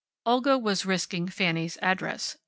Olga was risking Fanny's address.